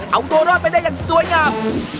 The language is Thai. เอาตัวรอดไปได้อย่างสวยงาม